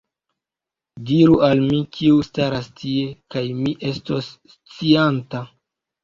Diru al mi, kiu staras tie, kaj mi estos scianta.